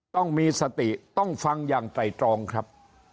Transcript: ต้องมีสติต้องฟังอย่างไตรตรองครับ